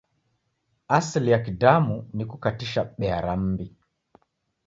Asili ya Kidamu ni kukatisha bea ra m'mbi.